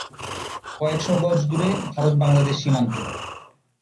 কয়েক শ গজ দূরে ভারত-বাংলাদেশ সীমান্ত।